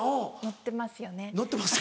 乗ってますよね。